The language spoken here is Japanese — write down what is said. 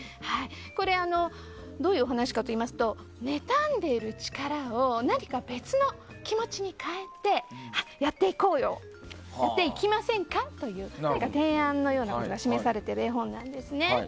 これはどういうお話かというとねたんでいる力を何か別の気持ちに変えてやっていこうよやっていきませんかという提案のようなものが示されている絵本なんです。